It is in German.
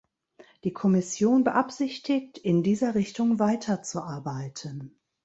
Die Kommission beabsichtigt, in dieser Richtung weiterzuarbeiten.